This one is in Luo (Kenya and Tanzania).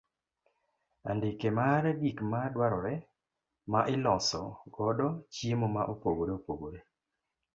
Andike mar gik ma dwarore ma iloso godo chiemo ma opogore opogore.